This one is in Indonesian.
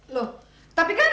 loh tapi kan